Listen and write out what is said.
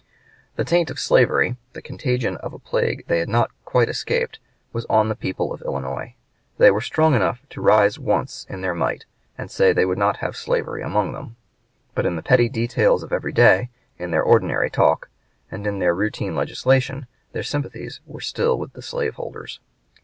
The taint of slavery, the contagion of a plague they had not quite escaped, was on the people of Illinois. They were strong enough to rise once in their might and say they would not have slavery among them. But in the petty details of every day, in their ordinary talk, and in their routine legislation, their sympathies were still with the slave holders.